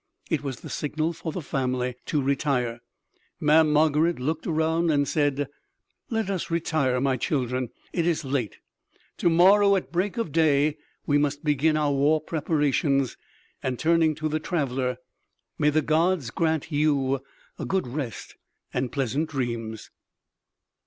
It was the signal for the family to retire. Mamm' Margarid looked around and said: "Let us retire, my children; it is late; to morrow at break of day we must begin our war preparations;" and turning to the traveler: "May the gods grant you a good rest and pleasant dreams!"